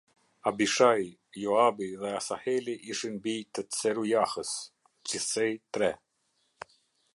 Abishai, Joabi dhe Asaheli ishin bij të Tserujahës; gjithsej tre.